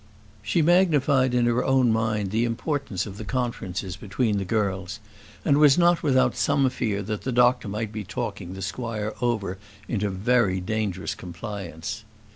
She magnified in her own mind the importance of the conferences between the girls, and was not without some fear that the doctor might be talking the squire over into very dangerous compliance.